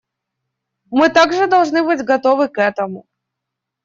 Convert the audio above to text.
Мы также должны быть готовы к этому.